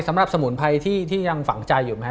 สำหรับสมุนไพรที่ยังฝังใจอยู่ไหมฮ